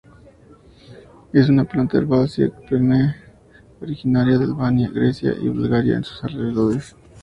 Es una planta herbácea perenne originaria de Albania, Grecia y Bulgaria y sus alrededores.